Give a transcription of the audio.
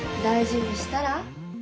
大事にしたら？